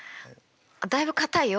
だいぶかたいよ。